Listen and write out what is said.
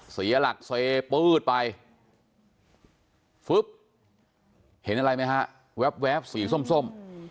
เสียหลักเสียปื๊ดไปเห็นอะไรไหมฮะแว๊บแว๊บสีส้มส้ม